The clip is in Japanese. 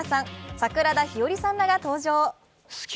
桜田ひよりさんらが登場。